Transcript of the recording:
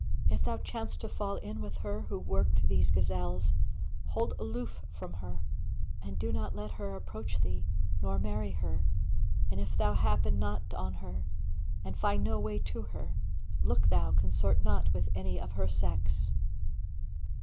if thou chance to fall in with her who worked these gazelles, hold aloof from her and do not let her approach thee nor marry her; and if thou happen not on her and find no way to her, look thou consort not with any of her sex.